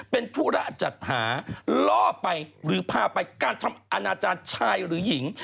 เป็นธุระจัดหาล่อไปหรือพาไปการทำอนาจารย์ชายหรือหญิง